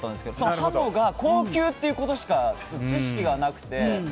ハモが高級ということしか知識がなくて。